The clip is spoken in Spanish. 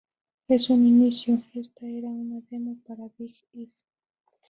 En un inicio, esta era un demo para Big If.